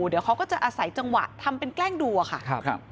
เดี๋ยวเขาก็จะอาศัยจังหวะทำเป็นแกล้งดูอะค่ะ